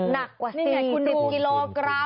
หนักกว่า๔๐กิโลกรัม